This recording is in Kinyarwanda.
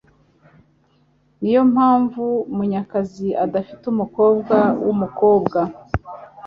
Niyo mpamvu Munyakazi adafite umukobwa wumukobwa